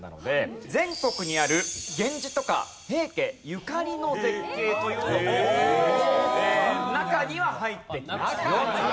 全国にある源氏とか平家ゆかりの絶景というのも中には入ってきますよという。